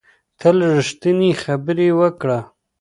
تل ریښتینې خبرې وکړه